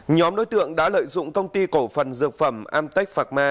nhóm đối tượng đã lợi dụng công ty cổ phần dược phẩm amtech pharma